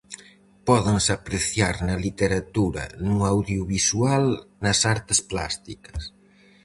Pódense apreciar na literatura, no audiovisual, nas artes plásticas...